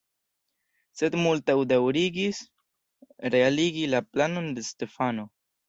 Sed multaj daŭrigis realigi la planon de Stefano.